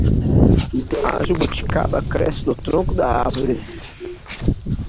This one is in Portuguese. A jabuticaba cresce no tronco da árvore.